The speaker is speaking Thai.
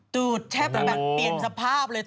ตูดแทบแบบเปลี่ยนสภาพเลย